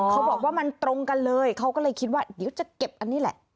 เขาบอกว่ามันตรงกันเลยเขาก็เลยคิดว่าเดี๋ยวจะเก็บอันนี้แหละ